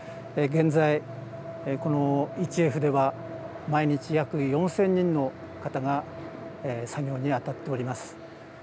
現在、この１Ｆでは毎日約４０００人の方が作業に当たっております。